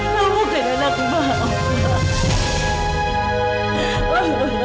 kamu kan anak ma